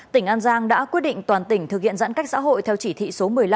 tỉnh an giang đã quyết định toàn tỉnh thực hiện giãn cách xã hội theo chỉ thị số một mươi năm